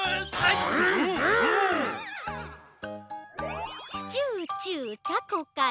チューチュータコかいなっと。